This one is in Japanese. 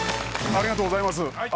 ありがとうございます。